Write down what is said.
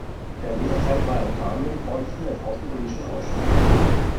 Während dieser Zeit war er unter anderem Vorsitzender des außenpolitischen Ausschusses.